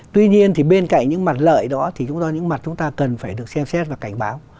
tuy nhiên thì bên cạnh những mặt lợi đó thì chúng ta những mặt chúng ta cần phải được xem xét và cảnh báo